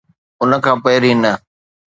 ان کان پھرين نه